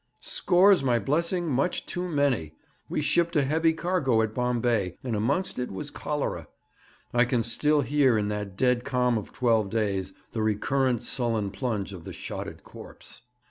'Scores, my blessing; much too many. We shipped a heavy cargo at Bombay, and amongst it was cholera. I can still hear, in that dead calm of twelve days, the recurrent, sullen plunge of the shotted corpse.'